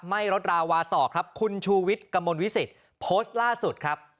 ไม่ลดราวาสอกครับคุณชูวิทย์กระมวลวิสิตโพสต์ล่าสุดครับ